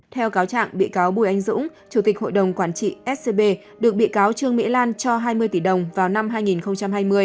theo cáo trạng bị cáo bùi anh dũng chủ tịch hội đồng quản trị scb được bị cáo trương mỹ lan cho hai mươi tỷ đồng vào năm hai nghìn hai mươi